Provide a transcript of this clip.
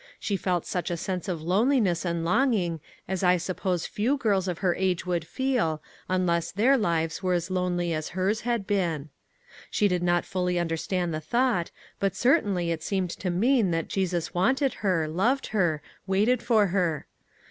She felt such a sense of loneliness and longing as I suppose few girls of her age would feel, unless their lives were as lonely as hers had been. She did not fully understand the thought, but certainly it seemed to mean that Jesus wanted her, loved her, waited for her.